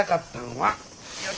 はい。